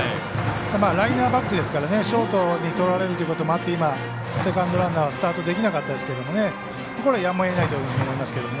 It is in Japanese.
ライナーバックですからショートにとられるということもあってセカンドランナーはスタートできなかったですけどもね。